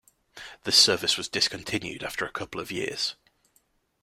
This service was discontinued after a couple of years.